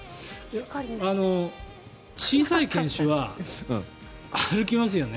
小さい犬種は歩きますよね。